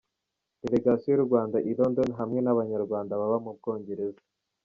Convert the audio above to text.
Delegation y'u Rwanda i London, hamwe n'abanyaRwanda baba mu bwongereza.